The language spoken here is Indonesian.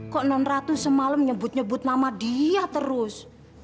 kok non ratu semalam nyebut nyebut nama dia terus